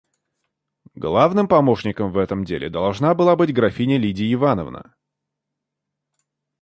Главным помощником в этом деле должна была быть графиня Лидия Ивановна.